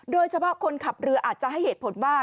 โดยเฉพาะคนขับเรืออาจจะให้เหตุผลว่า